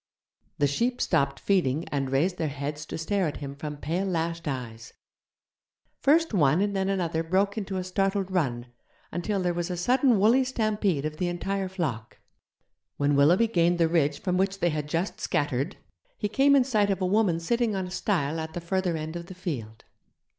The sheep stopped feeding and raised their heads to stare at him from pale lashed eyes; first one and then another broke into a startled run, until there was a sudden woolly stampede of the entire flock. When Willoughby gained the ridge from which they had just scattered, he came in sight of a woman sitting on a stile at the further end of the field.